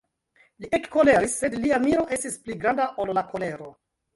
Li ekkoleris, sed lia miro estis pli granda, ol la kolero.